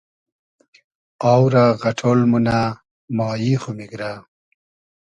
آو رۂ غئݖۉل مونۂ مایی خو میگرۂ